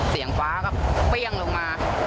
เสียงฟ้าก็เปรี้ยงลงมา